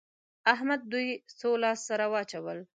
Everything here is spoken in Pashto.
احمد دوی څو لاس سره واچول؟